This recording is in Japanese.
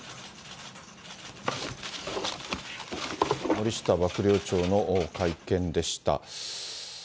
森下幕僚長の会見でした。